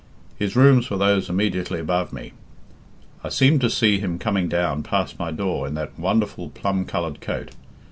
His rooms were those immediately above me. I seem to see him coming down past my door in that wonderful plum coloured coat.